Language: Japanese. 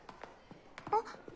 あっ。